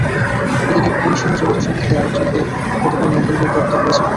এদিকে ঘটনার সঙ্গে জড়িত সন্দেহে আরেকজনকে গতকাল মঙ্গলবার গ্রেপ্তার করেছে পুলিশ।